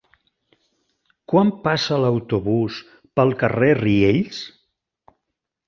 Quan passa l'autobús pel carrer Riells?